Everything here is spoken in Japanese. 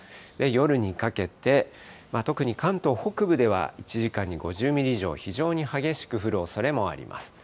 夜にかけて、特に関東北部では、１時間に５０ミリ以上、非常に激しく降るおそれもあります。